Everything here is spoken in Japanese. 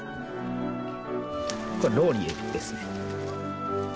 これローリエですね。